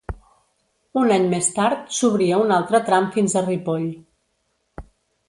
Un any més tard s'obria un altre tram fins a Ripoll.